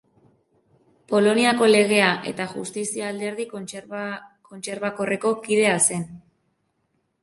Poloniako Legea eta Justizia alderdi kontserbakorreko kidea zen.